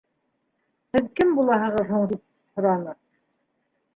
— Һеҙ кем булаһығыҙ һуң? — тип һораны.